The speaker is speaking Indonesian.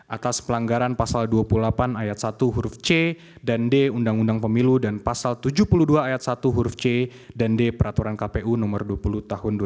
atas pelanggaran pasal dua puluh delapan ayat satu huruf c dan d undang undang pemilu dan pasal tujuh puluh dua ayat satu huruf c dan d peraturan kpu nomor dua puluh tahun dua ribu dua